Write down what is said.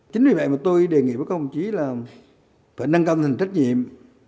chính vì vậy mà tôi đề nghị với các công chí là phải nâng cao hình trách nhiệm